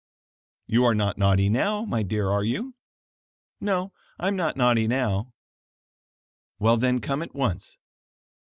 "You are not naughty now, my dear, are you?" "No, I am not naughty now." "Well, then come at once."